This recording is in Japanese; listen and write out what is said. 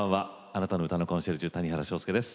あなたの歌のコンシェルジュ谷原章介です。